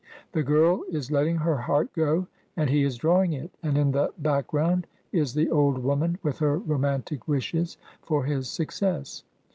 The girl is letting her heart go, and he is drawing it, and in the backgroimd is the old woman with her romantic wishes for his success.